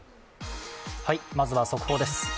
まずは速報です。